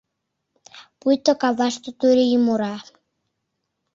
Пуйто каваште турий мура.